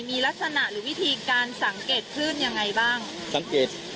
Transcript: มีลักษณะหรือวิธีการสังเกตขึ้นยังไงบ้าง